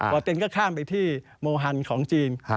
เต็นก็ข้ามไปที่โมฮันของจีน